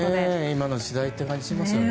今の時代って感じがしますよね。